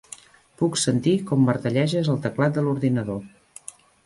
Puc sentir com martelleges el teclat de l'ordinador.